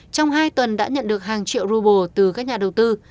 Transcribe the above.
trong hai tuần đã nhận được hàng triệu rubel từ các nhà đầu tư